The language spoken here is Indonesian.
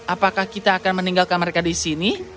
apakah kita akan meninggalkan mereka di sini